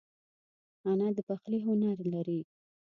انا د پخلي هنر لري